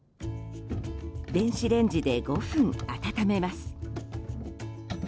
電子レンジで５分温めます。